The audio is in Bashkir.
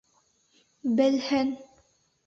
Белһен!